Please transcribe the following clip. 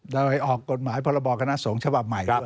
โดยออกกฎหมายพรบคณะสงฆ์ฉบับใหม่ด้วย